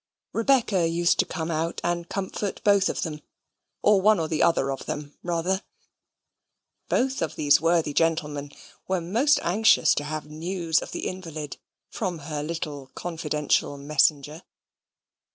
Rebecca used to come out and comfort both of them; or one or the other of them rather. Both of these worthy gentlemen were most anxious to have news of the invalid from her little confidential messenger.